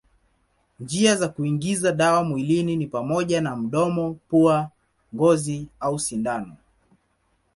Njia za kuingiza dawa mwilini ni pamoja na mdomo, pua, ngozi au sindano.